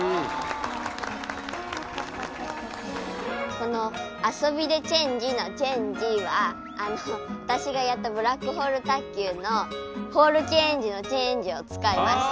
この「遊びでチェンジ」の「チェンジ」は私がやったブラックホール卓球のホールチェンジの「チェンジ」を使いました。